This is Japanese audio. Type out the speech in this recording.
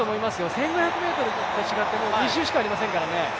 １５００ｍと違って２周しかありませんからね。